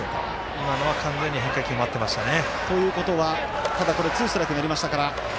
今のは完全に変化球を待ってましたね。